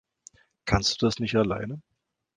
Kannst du das nicht alleine?